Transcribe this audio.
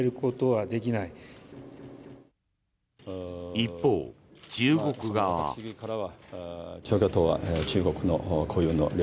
一方、中国側は。